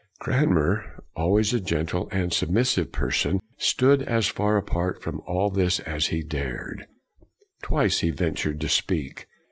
Cranmer, always a gentle and submis sive person, stood as far apart from all this as he dared. Twice he ventured to speak.